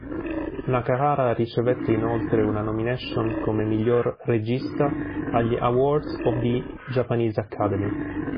Nakahara ricevette inoltre una nomination come miglior regista agli Awards of the Japanese Academy.